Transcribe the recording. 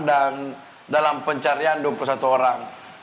dan dalam pencarian dua puluh satu orang